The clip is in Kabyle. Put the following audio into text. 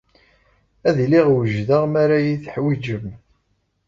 Ad iliɣ wejdeɣ mi ara iyi-teḥwijem.